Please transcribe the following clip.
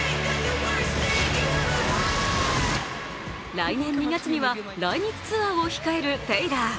来年２月には来日ツアーを控えるテイラー。